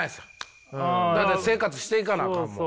だって生活していかなあかんもん。